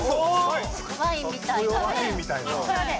ワインみたいなね。